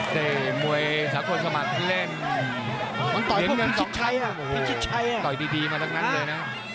เตะมวยสาโคสมัติเล่นเย็นต่อยพวกพี่ชิดชัยต่อยดีมาทั้งนั้นเลยนะ